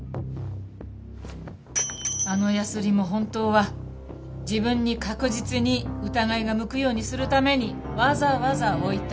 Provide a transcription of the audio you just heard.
あのヤスリも本当は自分に確実に疑いが向くようにするためにわざわざ置いた。